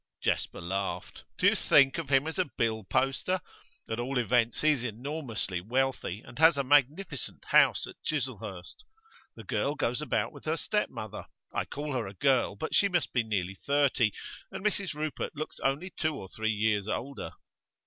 Jasper laughed. 'Do you think of him as a bill poster? At all events he is enormously wealthy, and has a magnificent house at Chislehurst. The girl goes about with her stepmother. I call her a girl, but she must be nearly thirty, and Mrs Rupert looks only two or three years older.